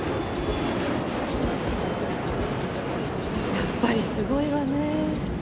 やっぱりすごいわね。